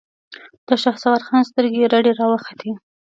د شهسوار خان سترګې رډې راوختې.